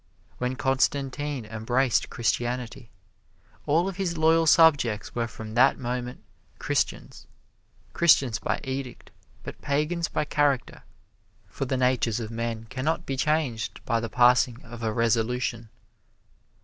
When Constantine embraced Christianity, all of his loyal subjects were from that moment Christians Christians by edict, but Pagans by character, for the natures of men can not be changed by the passing of a resolution.